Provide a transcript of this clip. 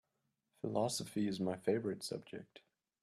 Philosophy is my favorite subject.